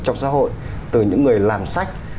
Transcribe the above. trong xã hội từ những người làm sách